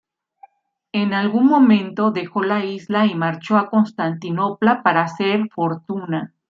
En algún momento, dejó la isla y marchó a Constantinopla para hacer fortuna.